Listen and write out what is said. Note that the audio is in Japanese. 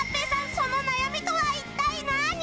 その悩みとは一体何？